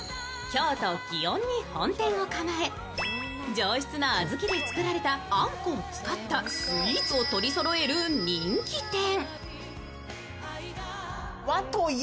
京都祇園に本店を構え上質な小豆で作られたあんこを使ったスイーツを取りそろえる人気店。